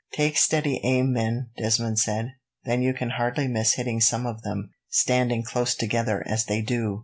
"Take steady aim, men," Desmond said, "then you can hardly miss hitting some of them, standing close together as they do."